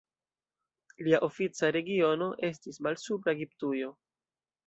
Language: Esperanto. Lia ofica regiono estis Malsupra Egiptujo.